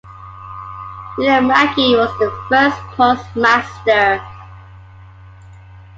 William Mackey was the first postmaster.